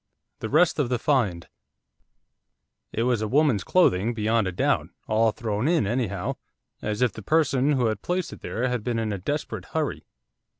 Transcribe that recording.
THE REST OF THE FIND It was a woman's clothing, beyond a doubt, all thrown in anyhow, as if the person who had placed it there had been in a desperate hurry.